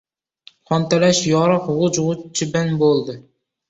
Qontalash yoriq g‘uj-g‘uj chibin bo‘ldi!